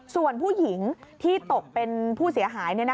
ส่วนผู้หญิงที่ตกเป็นผู้เสียหาย